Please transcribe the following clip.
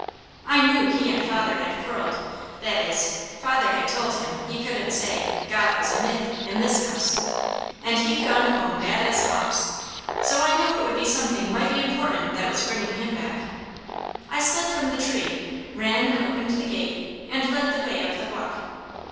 I knew he and father had quarrelled; that is, father had told him he couldn't say "God was a myth" in this house, and he'd gone home mad as hops; so I knew it would be something mighty important that was bringing him back. I slid from the tree, ran and opened the gate, and led the way up the walk.